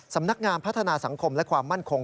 สำนักงานพัฒนาสังคมและความมั่นคง